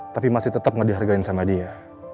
tapi masih tetep gak dihargain sama dia